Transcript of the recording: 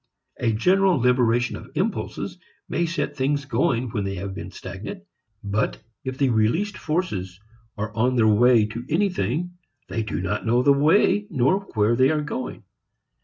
A general liberation of impulses may set things going when they have been stagnant, but if the released forces are on their way to anything they do not know the way nor where they are going.